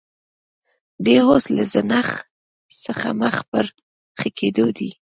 دی اوس له زنځ څخه مخ پر ښه کېدو دی